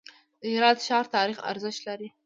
د هرات ښار تاریخي ارزښت لري.